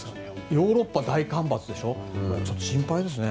ヨーロッパ大干ばつでしょ心配ですね。